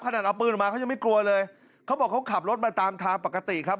นอนเอาปืนออกมาเขายังไม่กลัวเลยเขาบอกเขาขับรถมาตามทางปกติครับ